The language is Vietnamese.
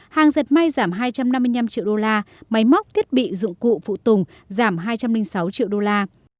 hàng giật may giảm hai trăm năm mươi năm triệu đô la máy móc thiết bị dụng cụ phụ tùng giảm hai trăm linh sáu triệu đô la